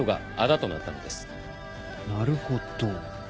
なるほど。